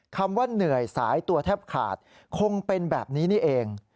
คำว่าเหนื่อยสายตัวแทบขาดคงเป็นแบบนี้นี่เอง